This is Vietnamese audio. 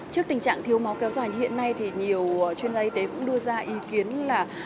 trước tình trạng thiếu máu kéo dài hiện nay thì nhiều chuyên gia y tế cũng đưa ra ý kiến là